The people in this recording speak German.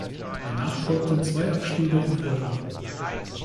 Danach folgten zwei Abstiege in Folge.